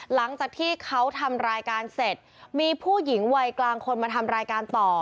หลังจากที่เขาทำรายการเสร็จมีผู้หญิงวัยกลางคนมาทำรายการต่อ